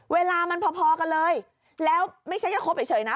เวลามันพอกันเลยแล้วไม่ใช่แค่คบเฉยนะ